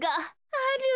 ある。